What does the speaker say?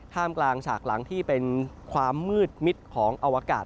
กลางฉากหลังที่เป็นความมืดมิดของอวกาศ